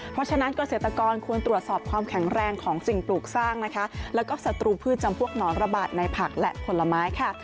เพราะฉะนั้นเกษตรกรควรตรวจสอบความแข็งแรงของสิ่งปลูกสร้างนะคะแล้วก็ศัตรูพืชจำพวกหนอนระบาดในผักและผลไม้ค่ะ